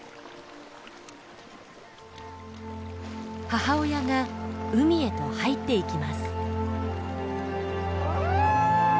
母親が海へと入っていきます。